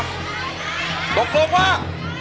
ลบปลงว่า